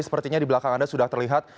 sepertinya di belakang anda sudah terlihat